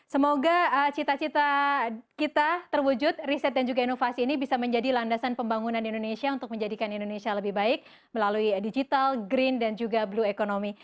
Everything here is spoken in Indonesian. semoga cita cita kita terwujud riset dan juga inovasi ini bisa menjadi landasan pembangunan indonesia untuk menjadikan indonesia lebih baik melalui digital green dan juga blue economy